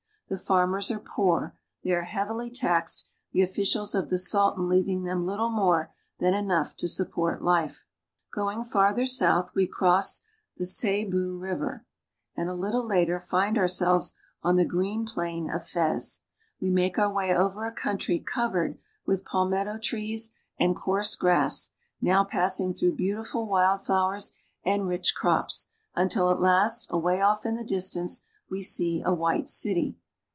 The farmers arc poor; they are heavily taxed, the officials of the Sultan leaving them little more than enough to sup port life. Going farther south we cross the Sebu (sa boo' ) River, and a little later find ourselves on the green plain of Fez. We make our way over a country covered with palmetto trees and coarse grass, now passing through beautiful wild flowers and rich crops, until at last, away off in the dis tance, we see a white city.